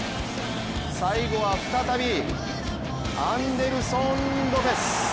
最後は再びアンデルソン・ロペス。